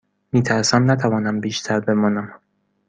می ترسم نتوانم بیشتر بمانم.